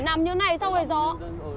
để đọng đến là đọng dậy là vấn đề đấy